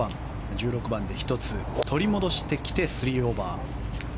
１６番で１つ取り戻してきて３オーバー。